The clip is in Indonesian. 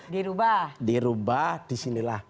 dirubah dirubah disinilah